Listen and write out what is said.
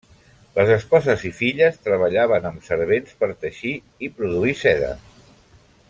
Les esposes i filles treballaven amb servents per teixir i produir seda.